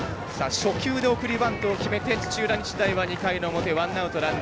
初球で送りバントを決めて土浦日大は２回の表。